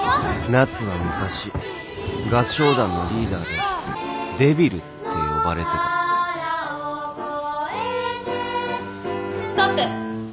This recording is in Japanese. ナツは昔合唱団のリーダーで「デビル」って呼ばれてた「野原をこえて」ストップ。